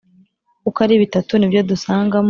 uko ari bitatu nibyo dusangamo